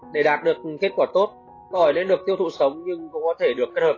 để đạt được kết quả tốt tỏi nên được tiêu thụ sống nhưng cũng có thể được kết hợp